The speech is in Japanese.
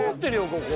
ここ。